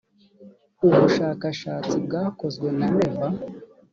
ubushakashatsi bwakozwe na neva .